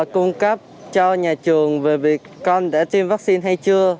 cung cấp cho nhà trường về việc con đã tiêm vaccine hay chưa